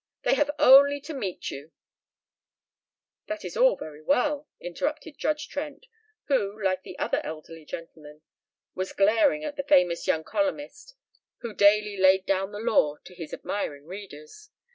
They have only to meet you " "That is all very well," interrupted Judge Trent, who, like the other elderly gentlemen, was glaring at the famous young columnist who daily laid down the law to his admiring readers.